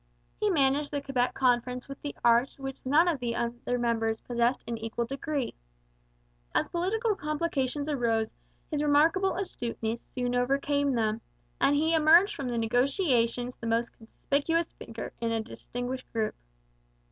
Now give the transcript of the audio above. He managed the Quebec Conference with the arts which none of the other members possessed in equal degree. As political complications arose his remarkable astuteness soon overcame them; and he emerged from the negotiations the most conspicuous figure in a distinguished group.